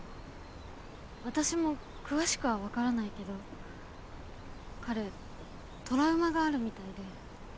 私も詳しくは分からないけど彼トラウマがあるみたいで。